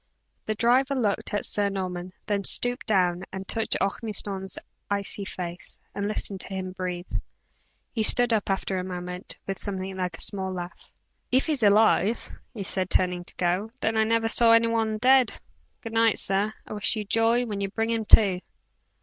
The driver looked at Sir Norman, then stooped down and touched Ormiston's icy face, and listened to hear him breathe. He stood up after a moment, with some thing like a small laugh. "If he's alive," he said, turning to go, "then I never saw any one dead! Good night, sir, I wish you joy when you bring him to."